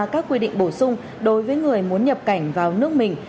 các quy định bổ sung đối với người muốn nhập cảnh vào nước mình